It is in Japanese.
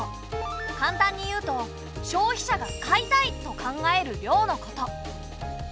簡単に言うと消費者が「買いたい！」と考える量のこと。